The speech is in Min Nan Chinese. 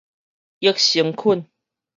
益生菌